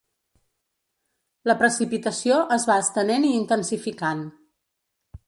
La precipitació es va estenent i intensificant.